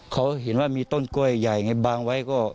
เขาเห็นว่ามีต้นกล้วยใหญ่ไงบางไว้ก็